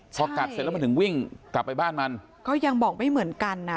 พอกัดเสร็จแล้วมันถึงวิ่งกลับไปบ้านมันก็ยังบอกไม่เหมือนกันอ่ะ